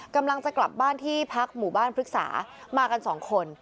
กำลังจะกลับบ้านที่พักหมู่บ้านพฤกษามากันสองคน